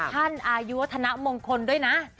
ท่านอายุววธนมงคลด้วยนะ